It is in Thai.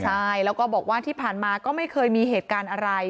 ใช่แล้วก็บอกว่าที่ผ่านมาก็ไม่เคยมีเหตุการณ์อะไร